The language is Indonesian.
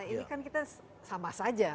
ini kan kita sama saja